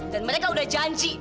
dan mereka sudah janji